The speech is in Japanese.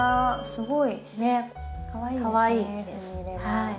すごいかわいいですね